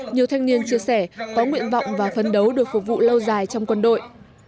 nhiều thanh niên chia sẻ có nguyện vọng và phấn đấu được phục vụ lâu dài trong quân đội